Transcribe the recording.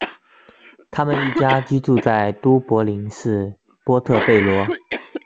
他们一家居住在都柏林市波特贝罗。